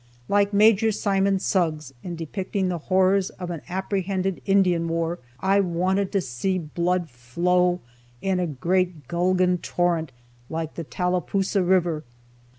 Like Major Simon Suggs, in depicting the horrors of an apprehended Indian war, I wanted to see blood flow in a "great gulgin' torrent, like the Tallapoosa river."